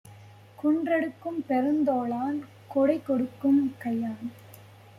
குன்றெடுக்கும் பெருந்தோளான் கொடைகொடுக்கும் கையான்!